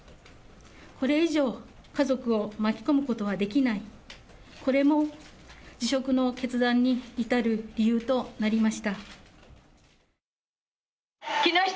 これ以上、家族を巻き込むことはできない、これも辞職の決断に至る理由となりました。